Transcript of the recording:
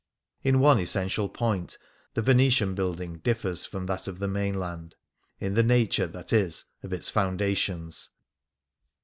In one essential point the Venetian building differs from that of the mainland — in the nature, that is, of its foundations.